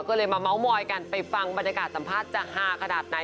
ก็เลยมาเม้ามอยกันไปฟังบรรยากาศสัมภาษณ์จะฮาขนาดไหน